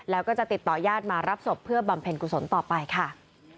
แล้วก็จะติดต่อยาดมารับศพเพื่อบำเพ็ญกุศลต่อไปค่ะ